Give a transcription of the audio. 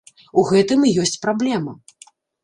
У гэтым і ёсць праблема.